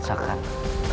tapi bisa dirasakan